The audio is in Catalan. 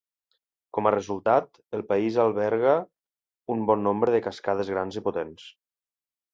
Com a resultat, el país alberga un bon nombre de cascades grans i potents.